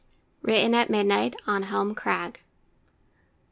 WRITTEN AT MIDNIGHT, ON HELM CRAG.